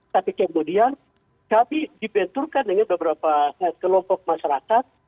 tapi kemudian kami dibenturkan dengan beberapa kelompok masyarakat